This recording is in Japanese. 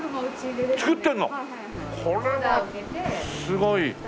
これはすごい！